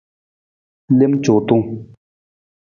Lem cuutung.